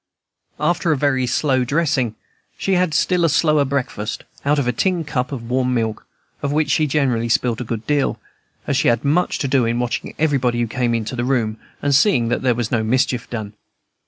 After a very slow dressing, she had a still slower breakfast out of a tin cup of warm milk, of which she generally spilt a good deal, as she had much to do in watching everybody who came into the room, and seeing that there was no mischief done.